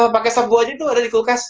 pake sop buah aja tuh ada di kulkas